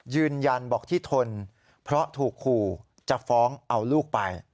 ยืนยันบอกที่ทนเพราะถูกขู่จะฟ้องเอาลูกไป